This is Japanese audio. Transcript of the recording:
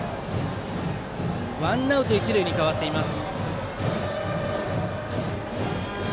ワンアウト、一塁に変わっています。